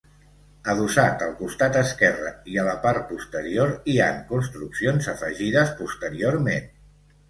Adossat al costat esquerre i a la part posterior, hi han construccions afegides posteriorment.